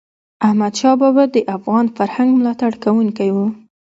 احمدشاه بابا د افغان فرهنګ ملاتړ کوونکی و.